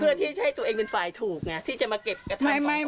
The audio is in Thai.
เพื่อที่จะให้ตัวเองเป็นฝ่ายถูกไงที่จะมาเก็บกระทะ